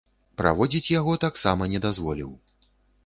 Праводзіць яго таксама не дазволіў.